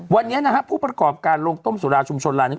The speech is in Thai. วันนี้นะฮะผู้ประกอบการโรงต้มสุราชุมชนลายนี้